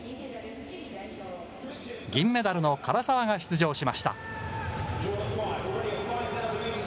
銀メダルの唐澤が出場しました。